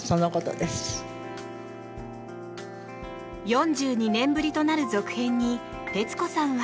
４２年ぶりとなる続編に徹子さんは。